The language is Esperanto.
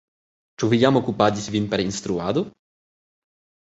Ĉu vi jam okupadis vin per instruado?